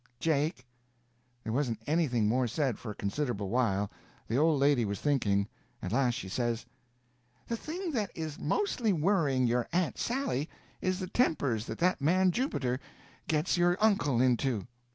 "Jake." There wasn't anything more said for a considerable while; the old lady was thinking. At last she says: "The thing that is mostly worrying your aunt Sally is the tempers that that man Jubiter gets your uncle into."